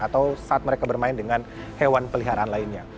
atau saat mereka bermain dengan hewan peliharaan lainnya